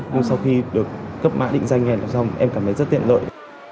nhưng sau khi được cấp mã định danh đèn xong em cảm thấy rất tiện lợi